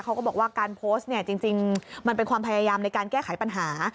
เขาก็บอกว่าการโพสต์เนี่ยจริงมันเป็นความพยายามในการแก้ไขปัญหา